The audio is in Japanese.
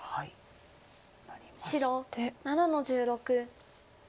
白７の十六。